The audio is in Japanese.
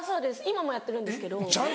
今もやってるんです。